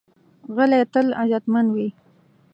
غلی، تل عزتمند وي.